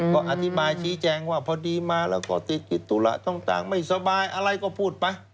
ก็อธิบายชี้แจงว่าพอดีมาแล้วก็ติดธุระต่างไม่สบายอะไรก็พูดไป